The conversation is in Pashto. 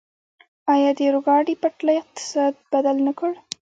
آیا د اورګاډي پټلۍ اقتصاد بدل نه کړ؟